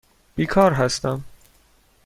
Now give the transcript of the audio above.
بیکار هستم.